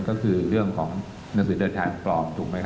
ก็คือเรื่องของหนังสือเดินทางปลอมถูกไหมครับ